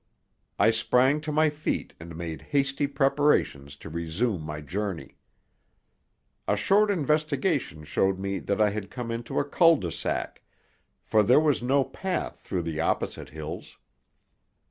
I sprang to my feet and made hasty preparations to resume my journey. A short investigation showed me that I had come into a cul de sac, for there was no path through the opposite hills.